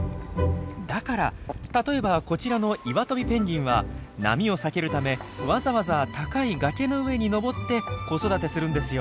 だから例えばこちらのイワトビペンギンは波を避けるためわざわざ高い崖の上に登って子育てするんですよ。